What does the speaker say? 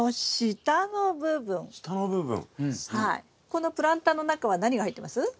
このプランターの中は何が入ってます？